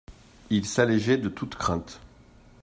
Il s'allégeait de toutes craintes.